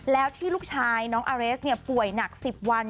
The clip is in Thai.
แล้วที่ลูกชายน้องอาเรสป่วยหนัก๑๐วัน